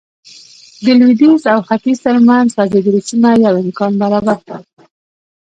د لوېدیځ او ختیځ ترمنځ غځېدلې سیمه یو امکان برابر کړ.